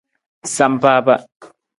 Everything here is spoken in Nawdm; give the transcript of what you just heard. Sampaapa.